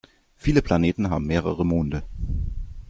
Viele Planeten haben mehrere Monde.